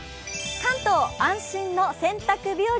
関東、安心の洗濯日和。